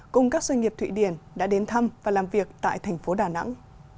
cùng các doanh nghiệp thụy điển đã đến thăm và làm việc tại thành phố đà nẵng